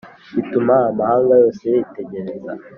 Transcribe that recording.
Bituma amahanga yose yitegereza